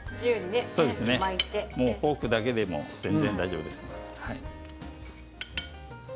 フォークだけでも全然大丈夫です。